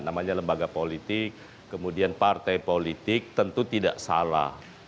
namanya lembaga politik kemudian partai politik tentu tidak salah